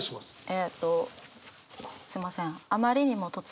えっとすいません。